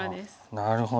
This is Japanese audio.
なるほど。